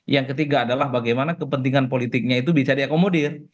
yang ketiga adalah bagaimana kepentingan politiknya itu bisa diakomodir